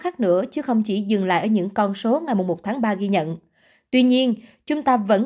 khác nữa chứ không chỉ dừng lại ở những con số ngày một tháng ba ghi nhận tuy nhiên chúng ta vẫn